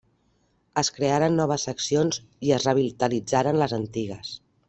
Es crearen noves seccions i es revitalitzaren les antigues.